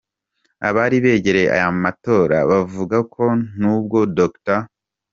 Abari begereye ayo matora bavuga ko n’ubwo Dr.